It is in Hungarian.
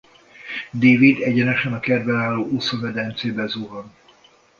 David egyenesen a kertben álló úszómedencébe zuhan.